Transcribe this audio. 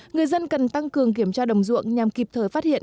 người dân cần tăng cường kiểm tra đồng ruộng nhằm kịp thời phát hiện